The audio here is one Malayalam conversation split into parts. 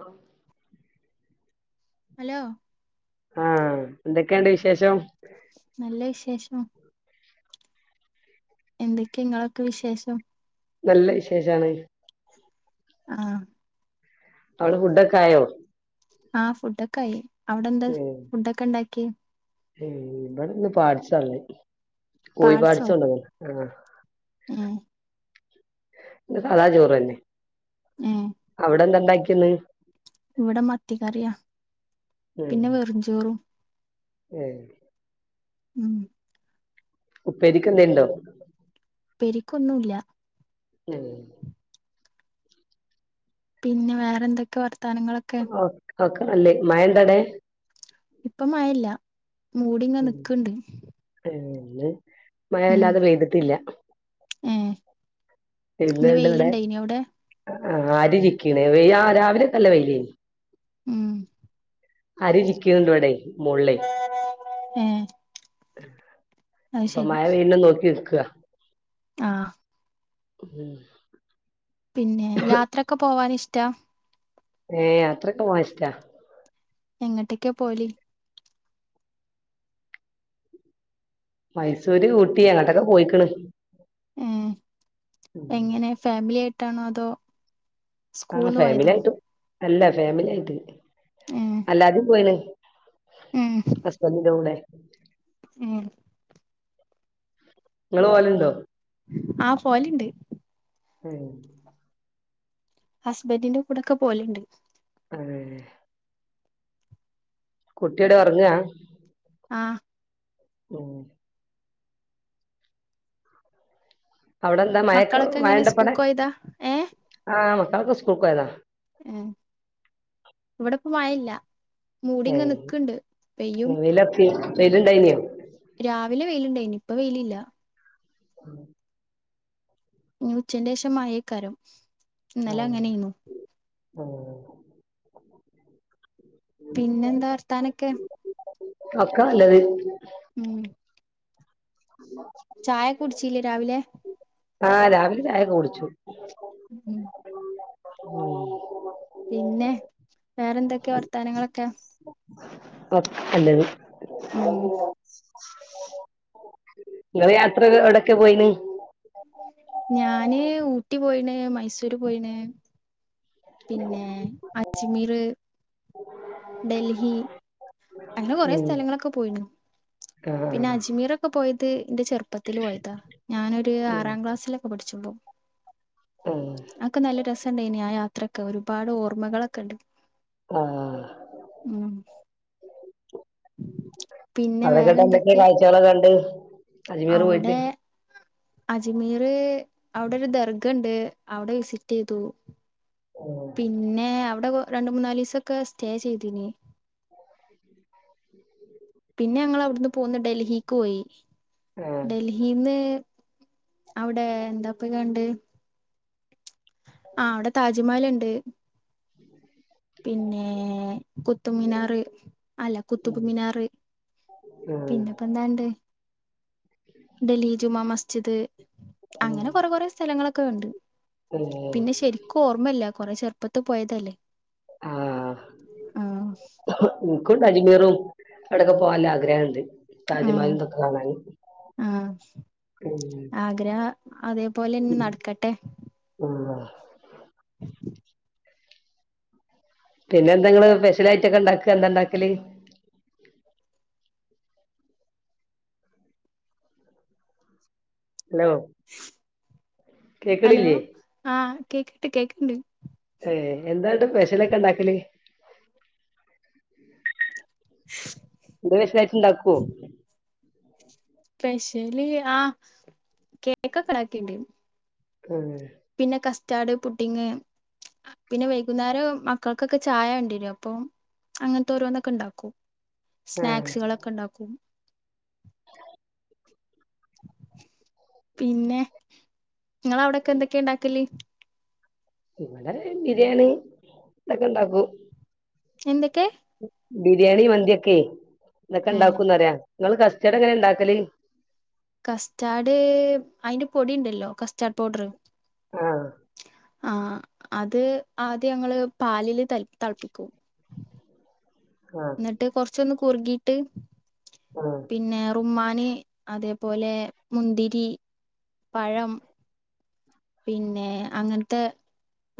ആഹ് ഹലോ ആഹ് എന്തൊക്കെയുണ്ട് വിശേഷം നല്ല വിശേഷം എന്തൊക്കെ നിങ്ങളൊക്കെ വിശേഷം നല്ല വിശേഷാണ് ആഹ് അവ്ടെ ഫുഡൊക്കെ ആയൊ ആഹ് ഫുഡൊക്കെ ആയി അവിടെ എന്താ ഉം ഫുഡൊക്കെ ഉണ്ടാക്കിയേ ഇവിടെ ഇന്ന് പാട്സാ ഇള്ളേഹ് കോഴി പാട്സ്കൊണ്ട് വന്നീനി ആ ഉം സദാ ചോറന്നെ ഉം അവിടെ ന്താ ഇ ണ്ടാക്കിയേ ന്ന് ഇവിടെ മത്തി കറിയാ പിന്നെ വെറുംചോറും ഹെഹ് ഉം ഉപ്പേരിക്ക് എന്തെ ണ്ടോ ഉപ്പേരിക്കൊന്നൂല്യ ഉം പിന്നെ വേറെ എന്തൊക്കെ വർത്താനങ്ങളക്കെ ഓ ഓക്കെ നല്ലേ മഴ ഉണ്ടോ അവിടെ ഇപ്പ മഴ ഇല്ല മൂടിങ്ങനി ക്കണ്ട് ഉം മഴ വല്ലാതെ പെയ്തിട്ടില്ല ഏഹ് എണ്ട് ഇന്ന് ഇവിടെ വെയിലുണ്ടായിനോ അവിടെ ആഹ് ആരി ചിക്കിന് രാവിലെ ഒകെ നല്ല വെയിൽ എനി ഉം അരി ചിക്കിയത് ഉണ്ട് ഇവിടെ മുകളിലെ ഏഹ് അത് അപ്പൊ ശരി മഴ പെയ്യുന്നുണ്ടോ എന്ന് നോക്കി നിക്കാ ആഹ് ഉം പിന്നെ യാത്രൊക്കെ പോവാൻ ഇഷ്ടാ ഏ യാത്രൊക്കെ പോവാഷ്ടാ എങ്ങോട്ടേക്കാ പോൽ മൈസൂര് ഊട്ടി അങ്ങോട്ടൊക്കെ പോയിക്കണ് ഉ എങ്ങനെ ഫാമിലി ആയിട്ടാണോ അതോ ആഹ് സ്കൂൾന്ന് ഫാമിലി പോയതോ ആയിട്ട് അല്ല ഫാമിലി ആയിട്ട് ഏഹ് അല്ലാത പോയിണ് ഉം ഹസ്ബൻ്റ് ൻ്റെ കൂടെ ഉം നിങ്ങള് പോലുണ്ടോ ആഹ് പോലുണ്ട് ഏഹ് ഹസ്ബൻ്റ് ന്റെ കൂടെക്കെ പോലുണ്ട് ആഹ് കുട്ടിയോടെ ഒർങ്ങാ ആഹ് ഓഹ് അവിടെ എന്താ മഴ മക്കളൊക്കെ എങ്ങനെ മഴേണ്ടപ്പടെ സ്കൂക്കോയതാ ഏഹ് ആഹ് മക്കളൊക്കെ സ്കൂൾക്കോയതാ ഉം ഇവിടെപ്പ മഴല്ല മൂടിങ്ങ നിക്ക്ണ്ട് പെയ്യും വെയ്ലർച്ച് വെലുണ്ടായിനോ രാവിലെ വെയിലുണ്ടായിനി ഇപ്പം വെയിലില്ല ഉം ഉച്ചന്റെ ശേഷം മായേ കാരം ആഹ് ആഹ് പിന്നെ എന്താ വർത്താനൊക്കെ ഒക്കെ നല്ലത് ഉം [inaudible] ചായ കുടിച്ചല്ലേ രാവിലെ ആഹ് രാവിലെ ചായ കുടിച്ചു ഉം ഉം പിന്നെ വേറെന്തൊക്കെയ വർത്താനങ്ങളൊക്കെ ഒക്കെ നല്ലത് ഉം നിങ്ങള് യാത്ര എവിടയൊക്കെ പോയിന് ഞാന് ഊട്ടി പോയിണ് മൈസൂര് പോയിണ് പിന്നെ അജ്മീർ ഡൽഹി അങ്ങനെ കൊറെേ ഉം സ്ഥലങ്ങളൊക്കെ പോയിരുന്നു പിന്നെ ആഹ് അജ് അജ്മീർ പോയത് എന്റെ ചെറുപ്പത്തിൽ പോയതാ ഞാനൊരു ആറാം ക്ലാസ്സിലൊക്കെ പഠിച്ച്പോ ഏയ് അതൊക്കെ നല്ല രസുണ്ടായിനി ആഹ് യാത്രയൊക്കെ ഒരുപാട് ഓർമ്മകളൊക്കെ ഉണ്ട് ഓഹ് ഉം പിന്നെ അതൊക്കെട്ട് എന്തൊക്കെ വേറെന്തൊക്കെ കാഴ്ചകളാ കണ്ട് അജ്മീർ പോയിട്ട് അജ്മീര് അവിടെ ഒരു ദർഗണ്ട് അവിടെ വിസിറ്റ് ചെയ്തു പിന്നെ അവിടെ രണ്ട് മൂന്നാല് ദിവസൊക്കെ സ്റ്റേ ചെയ്തീന് [inaudible] പിന്നെ ഞങ്ങൾ അവിടുന്ന് പോന്നു ഡൽഹിക്ക് പോയി ആഹ് ഡൽ ആഹ് ഹീന്ന് അവിടെ എന്താപ്പൊ കണ്ട് ആഹ് അവിടെ താജ്മഹൽ ഉണ്ട് പിന്നെ കുത്തും മിനാർ അല്ല കുത്തബ് മിനാർ ആഹ് പിന്നിപ്പൊ എന്താണ്ട് ഡൽഹി ജുമാ മസ്ജിദ് അങ്ങനെ കൊറെ കൊറെ സ്ഥലങ്ങളൊക്കെ കണ്ട് പിന്നെ ശെരിക്കും ഓർമ്മയില്ല കൊറെ ചെറുപ്പത്തിൽ പോയതല്ലേ ആഹ് ആഹ് ഏനിക്കുംണ്ട് അജിമീറും അവിടൊക്കെ പോകാന് നല്ല ആഗ്രഹണ്ട് ആഹ് താജ്മഹൽ ഇതൊക്കെ കാണാന് ആഹ് ആഗ്രഹം അതേപോലന്നെ നടക്കട്ടെ ആഹ് [inaudible] പിന്നെ എന്തെങ്ങിള് സെപ്ഷ്യലായിട്ട് ഒക്കുണ്ടാക്കുക എന്താണ്ടാക്കല് ഹലോ ഹലോ കേക്കണില്ലേ ആഹ് കേക്ക്ണ്ട് കേക്ക്ണ്ട് ഏഹ് എന്താ ഇവടെ സ്പെഷ്യലൊക്കെ ഉണ്ടാക്കല് എന്തെ പെഷലായിട്ട്ണ്ടാക്കവോ സ്പെഷ്യല് ആഹ് കേക്കൊക്കെ ഉണ്ടാക്കണ്ട് ആഹ് പിന്നെ കസ്റ്റാഡ് പുഡിങ് പിന്നെ വൈകുന്നേരം മക്കൾക്കൊക്കെ ചായ വേണ്ടി വരും അപ്പൊ അങ്ങനത്തെ ഓരോന്നൊക്കെ ഉണ്ടാക്കും ആഹ് സ്നാക്സുകളൊക്കെ ഉണ്ടാക്കും പിന്നെ നിങ്ങളവിടെക്കെ എന്തൊക്കെ ഉണ്ടാക്കല് ഇവിടെ ബിരിയാണി ഇതൊക്കെ ഉണ്ടാക്കും എന്തൊക്കെ ബിരിയാണി മന്തിയൊക്കെ ഇതൊക്കെ ഏഹ് ഉണ്ടാക്കുന്നറ്യ നിങ്ങള് കസ്റ്റാഡ് എങ്ങനെ ഉണ്ടാക്കല് കസ്റ്റാർഡ് അതിന്റെ പൊടി ഉണ്ടല്ലോ കസ്റ്റാർഡ് പൗഡറ് ആഹ് ആഹ് അത് ആദ്യം ഞങ്ങള് പാലില് ത തിളപ്പിക്കും ആഹ് എന്നിട്ട് കൊറച്ചൊന്ന് കുറുകിട്ട് ആഹ് പിന്നെ റുമ്മാന് അതേപോലെ മുന്തിരി പഴം പിന്നെ അങ്ങനത്തെ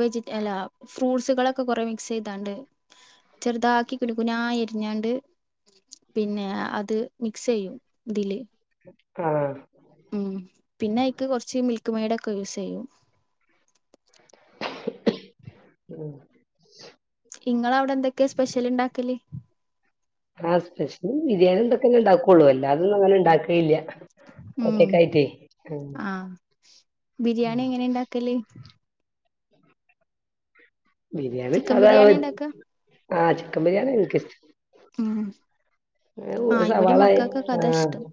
വെജി അല്ല ഫ്രൂട്സ്കളൊക്കെ കൊറേ മിക്സ് ചെയ്താണ്ട് ചെറുതാക്കി കുനുകുനാ അരി ഞ്ഞാണ്ട് പിന്നെ അത് മിക്സ് ചെയ്യും ഇതില് ആഹ് ഉം പിന്നെ അയ്ക്ക് കൊറച്ച് മിൽക്ക് മെയിഡൊക്കെ യൂസ് ചെയ്യും [unintelligible] നിങ്ങളെ അവിടെ എന്തൊക്കെയാ സ്പെഷ്യല് ഇണ്ടാക്കല് ആഹ് സ്പെഷ്യല് ബിരിയാണിം ഇതൊക്കെ ഉണ്ടാക്കുള്ളൂ അല്ലാതൊന്നും അങ്ങനെ ഉണ്ടാക്കേയില്ല ഉം ആ ബിരിയാണി എങ്ങനെ ഉണ്ടാക്കൽ ബിരിയാണി ചിക്കൻ സാത ബിരിയാണി ഉണ്ടാക്ക ആ ചിക്കൻ ബിരിയാണിയാണ് എനിക്ക് ഇഷ്ടം ആ സവാളായി അതാ ആഹ് ഇഷ്ടം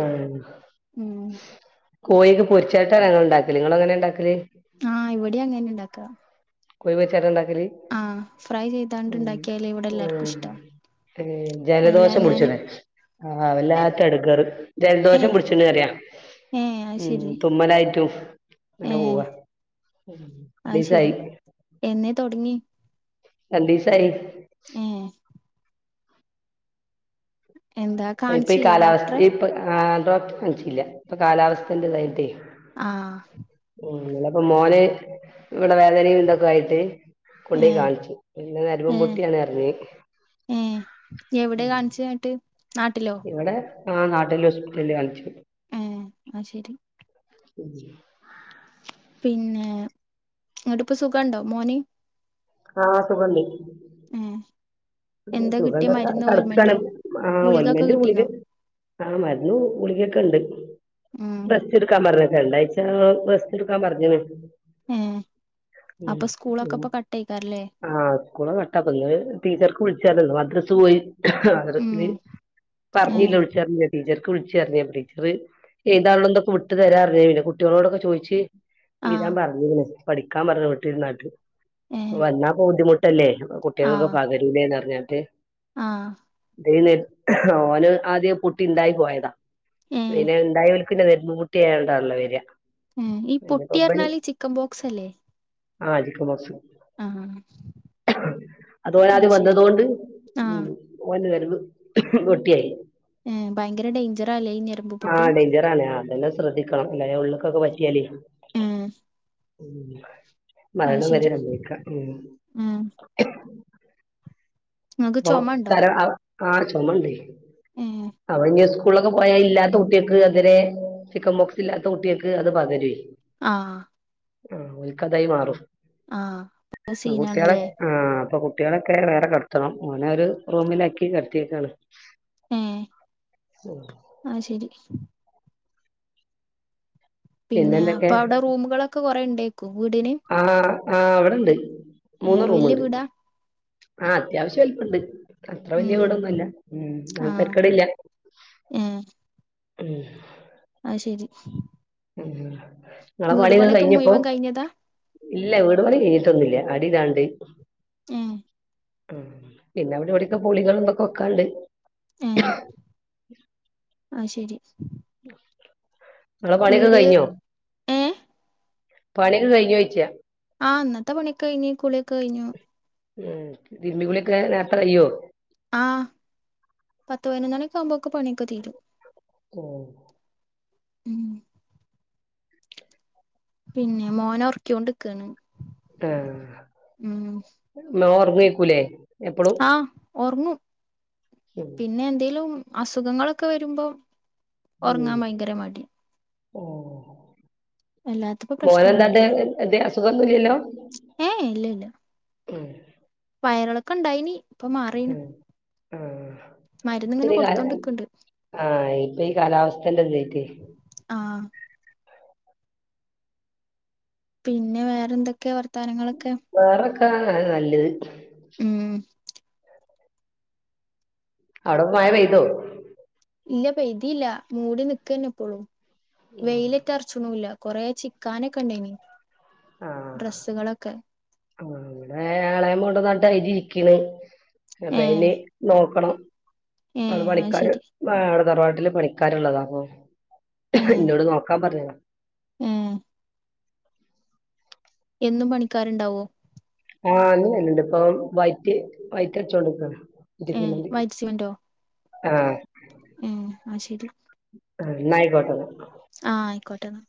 ആഹ് ഉം കോയൊക്കെ പൊരിച്ചാട്ടാ നങ്ങൾ ഇണ്ടാക്കൽ നിങ്ങൾ എങ്ങനെ ഉണ്ടാക്കൽ ആഹ് ഇവടിം അങ്ങനെ ഇണ്ടാക്ക കോയി പൊരിചാട്ടാണ്ടാക്കല് ആ ഫ്രൈ ചെയ്താണ്ട് ഇണ്ടാക്കിയാലെ ഇവിടെ എല്ലാർക്കും ഇഷ്ടം ജയലദോഷം പുടിച്ച്ണെ ആഹ് ഏഹ് വല്ലാത്ത എടങ്ങേറ് ജലദോഷം ഏഹ് പുടിച്ച്ണ് പറയ ഏഹ് അത് ഉം ശരി തുമ്മലായിട്ടും അങ്ങനെ പോവ അയ് ശരി എന്നെ തൊടങ്ങി രണ്ടീസായി ഏ എന്താ ഇപ്പൊ ഈ കാണിച്ചില്ലേ കാലാവസ്ഥ ഡോക്ടറെ ഇപ്പ ആ ഡോക്ട കാണിച്ചില്ല ഇപ്പൊ കാലാവസ്ഥന്റെ ഇതായിട്ടേ ആഹ് ഉം പിന്നപ്പം മോന് ഇവിടെ വേദനയും ഇതൊക്കെ ആയിട്ട് കൊണ്ടോയി ഏഹ് കാണിച്ചു ഏഹ് ഞരമ്പുപൊട്ടിയാണ് പറഞ്ഞത് ട്ട് നാട്ടിലോ ഇവിടെ ആ നാട്ടില് ഹോസ്പിറ്റലിൽ കാണിച്ച് ഏ എന്ന ശരി മ് പിന്നെ ഇന്നെട്ട് ഇപ്പം സുഖം ഉണ്ടോ മോന് ആ സുഗണ്ട് ഏ സുഖണ്ട്ന്ന് പാറഞ്ഞ് കെടക്കാണ് ആ ഓയിൻ ഗുളികൊക്കെ മെന്റും കിട്ടീനോ ഗുളികം ആഹ് മരുന്ന് ഗുളികൊക്കെ ഉണ്ട്. ഉം എടുക്കാ പറഞ്ഞെ രണ്ടാഴ്ച റെസ്റ്റ് എടുക്കാൻ പറഞ്ഞ്ണ്.. ഏ അപ്പൊ സ്കൂളൊക്കെ ഇപ്പൊ കട്ടെയ്ക്കാറല്ലേ.. ആഹ് സ്കൂളെക്കെ കട്ടാക്കും ഇന്ന് ടീച്ചർക്ക് വിളിച്ച് പറഞ്ഞു ഇന്ന് മദ്രസ് പോയി.. ഉം മദ്രസ്സിൽ ഏ പറഞ്ഞില്ല വി വിളിച് പറഞ്ഞ് ടീച്ചർക്ക് വിളിച്ചുറിഞ്ഞ ടീച്ചർ എഴുതാൻ ഉള്ള തൊക്കെ വിട്ടു തരാന്ന് പറഞ്ഞ് പിന്നെ കുട്ടികളോടൊക്ക ചോയ്ച്ച്.. എയ്താൻ ആഹ് പറഞ്ഞ്ക്ക്ണ് പഠിക്കാൻ പറഞ്ഞു വിട്ടിലിരുന്നാട്ട് ഏ വന്നാ ബുദ്ധിമുട്ട്.. ട്ടല്ലേ കുട്ടികൾക്ക ആഹ് പക രൂലെന്ന് പറഞ്ഞിട്ട്.. ആഹ് ഓന് ആദ്യ പൊട്ടി ഉണ്ടായി പോയതാ ഏ പിന്നെ ഇണ്ടായൊൽ.. പിന്നെ വരുന്നേ പൂട്ടിയായോണ്ടാണല്ലെ വരിക.. ഈ പൊട്ടി പറഞ്ഞാൽ ചിക്കൻ ബോക്സ് അല്ലേ.. ആഹ് ചിക്കൻ ബോക്സ്‌.. ആഹ് അത് ഇപ്പം ശരി വന്നതൊണ്ട് ഉം ആഹ് ഓൻ വരവ് പൊട്ടിയായി. ഭയങ്കര ഡേയ്ഞ്ചർ ആല്ലെ ഈ ഞര.. ആഹ് ഡേഞ്ചറണേ അതന്നെ ശ്രദ്ധിക്കണം അല്ലെ ഉള്ളള്ക്കൊക്കെ പറ്റിയാലേ.. ഉം.. മ് മരണം വരെ ശരി സംഭവിക്കാം ഉം ഉം നിങ്ങക്ക് അപ്പൊ ചുമ ഉണ്ടോ തര ആ ആ ചുമണ്ടേ ഏ അവന് ഞ്ഞ് സൂ.. സ്കൂളൊക്കെ പോയാൽ ഇല്ലാത്ത കുട്ടികൾക്ക് അതിരെ ചിക്കൻ ബോക്സ് ഇല്ലാത്ത കുട്ടികൾക്ക് അത് പകരെ ആഹ് ആഹ് ഓല്കതായി മാറും ആഹ് അപ്പൊ കുട്ടിളെ.. സീനാണല്ലേ ആഹ അപ്പൊ കുട്ടികളൊക്കെ വേറെ കിടത്തണം ഓനെ ഒരു റൂമിലാക്കി കിടത്തിയക്കാണ്.. ഉം.. ആഹ ശെരി.. പിന്നെ പിന്നെന്തൊക്കെ അപ്പൊ അവിടെ റൂമുകളൊക്കെ കൊറേ ഉണ്ടേക്കും വീടിന്.. ആ ആ ഇവിടെണ്ട് മൂന്ന് വല്യ റൂമുണ്ട് വീടാ ആ അത്യാവശ്യ.. ണ്ട് അത്ര വലിയ ഉം വിടൊന്നുംല്ല ഉം ഇന്നാലും ആഹ് തരക്കേടില്ല.. ഉം.. ആഹ ശെരി.. ഉം നിങ്ങളെ പണിക്കെ കഴിഞ്ഞപ്പോ.. മുഴുവൻ കഴിഞ്ഞതാ ഇല്ല വീട് പണി കഴിഞ്ഞിട്ടൊന്നുമില്ല അടിണ്ടണ്ട്.. ഉം.. ഉം പിന്നെ അവിടെ ഇവിടക്കെ പൊളികൾ തെ ക്കെ വെക്കാൻണ്ട്.. ഹെ അഹ് ശെരി.. നിങ്ങളെ പണിയൊക്കെ കഴിഞ്ഞോ.. ഏ പണിയൊക്കെ കഴിഞ്ഞോ ച്ചോയ്ച്ചാ.. ആ ഇന്നെത്തെ പണിക്കെ കഴിഞ്ഞു കുളിയൊക്കെ കഴിഞ്ഞു.. ഉം തിരിംബികുളിയൊക്കെ നേരത്തെ കൈയ്യോ. ആഹ പത്ത് പതിനൊന്ന് മണി യൊക്കെ ആവുമ്പോ ഒക്കെ പണിയൊക്കെ തീരും.. ഓ.. ഉം.. പിന്നെ മോനോർ.. ഓർക്കിയൊണ്ട് നിക്കാണ്.. ആഹ് ന്ന ഓർങ്ങേക്കൂലേ? ആഹ് ഒർങ്ങും ഉം പിന്നെഎന്തേലും അസുഖങ്ങളൊക്കെ വെരുമ്പോ ഉം ആഹ് അല്ലാത്തപ്പോ മോനെന്താട്ട് പ്രശ്നൊന്നുല്ല എന്തേ അസുഖമൊന്നുംല്ലല്ലോ? ഏഹേ ഇല്ല, ഇല്ല വയറിളക്കം ഇണ്ടായ്നി. ഉം മരുന്ന് ആഹ് ഇങ്ങനെ ഇകാല കൊടുത്തോണ്ട്ക്ക്ണ്ട് ആഹ് ഇപ്പോ ഈ കാലാവസ്ഥന്റെ ഇതായ്ട്ടെയ് ആഹ് പിന്നെ വേറെഎന്തൊക്കെ വർത്താനങ്ങളൊക്കെ? വേറൊക്കെ അങ്ങന്നല്ലെത്. ഉം അവ്ടെപ്പോ മയപെയ്തൊ ഇല്ല പെയ്തില്ല മൂടി നിക്കെന്നെ ഇപ്പളും വെയിലേറ്റെ അർച്ച്ണൂല്ല. കൊറെ ചിക്കാനൊക്കെണ്ടയ്നി ഡ്രസ്സുകളൊക്കെ ആഹ് ഇവടെ എളേമകൊണ്ടന്നട്ട് അരി ഇരിക്ണ് ഏ അപ്പയ്നി നോക്കണം ഏ അത് അവ്ടെപണിക്കാര് ശരി ആഹ് വ്ടെ തറവാട്ടില് പണിക്കാര്ള്ളതാപ്പോ ഇന്നോട് നോക്കാൻ പറഞ്ഞത. ഉം എന്നും പണിക്കാരുണ്ടാവോ? ആഹ് എന്നുംവെര്ല്ണ്ട്പ്പ വൈറ്റ് വൈറ്റ് അടിച്ചോണ്ട് ഇക്കാണ് ഏ റ്റ്സിമെന്റ് വൈറ്റ് ആഹ് ഉം ആഹ് ശെരി. ആഹ് ന്നയിക്കോട്ടെന്ന. ആഹ് ആയിക്കോട്ടെന്നാ.